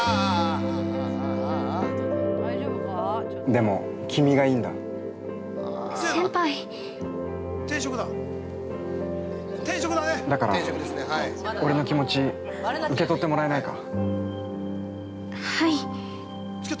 でも君がいいんだだから俺の気持ち受け取ってもらえないか？